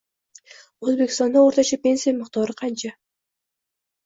O‘zbekistonda o‘rtacha pensiya miqdori qancha?